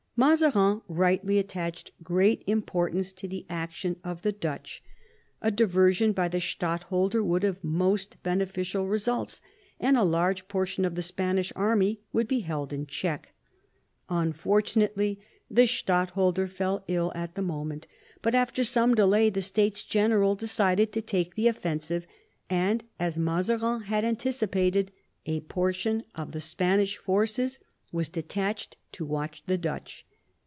Mazarin rightly attached great im portance to the action of the Dutch. A diversion by the C 18 MAZARIN CHAP. stadtholder would have most beneficial results, and a large portion of the Spanish army would be held in check. Unfortunately, the stadtholder fell ill at the moment, but after some delay the States General decided to take the offensive, and, as Mazarin had anticipated, a portion of the Spanish forces was detached to watch the Dutch.